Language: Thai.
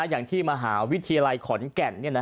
อย่างที่มหาวิทยาลัยขอนแก่น